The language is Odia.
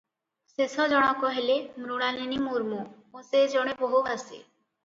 ଶେଷଜଣକ ହେଲେ ମୃଣାଳିନୀ ମୁର୍ମୁ ଓ ସେ ଜଣେ ବହୁଭାଷୀ ।